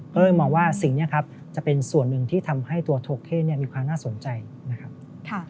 ก็เลยมองว่าสิ่งนี้ครับจะเป็นส่วนหนึ่งที่ทำให้ตัวโทเท่มีความน่าสนใจนะครับ